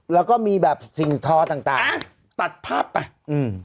แล้วก็มีแบบสิ่งทอต่างต่างอ่าตัดภาพไปอืม